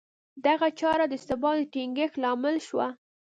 دغه چاره د ثبات د ټینګښت لامل شوه